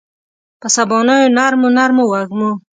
په سبانیو نرمو، نرمو وږمو